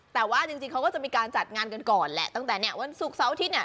แต่ว่าจริงเขาก็จะมีการจัดงานกันก่อนแหละตั้งแต่เนี่ยวันศุกร์เสาร์อาทิตย์เนี่ย